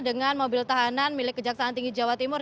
dengan mobil tahanan milik kejaksaan tinggi jawa timur